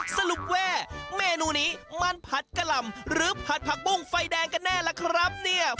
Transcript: สรุปว่าเมนูนี้มันผัดกะหล่ำหรือผัดผักบุ้งไฟแดงกันแน่ล่ะครับเนี่ย